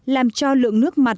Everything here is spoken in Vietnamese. làm cho lượng nước nắng nắng